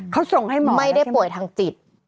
เขาส่งให้หมอไม่ได้ป่วยทางจิต